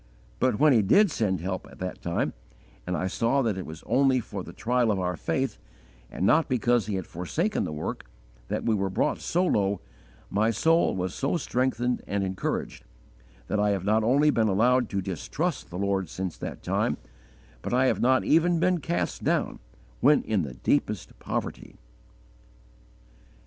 But when He did send help at that time, and I saw that it was only for the trial of our faith, and not because He had forsaken the work, that we were brought so low, my soul was so strengthened and encouraged that I have not only not been allowed to distrust the Lord since that time, but I have not even been cast down when in the deepest poverty."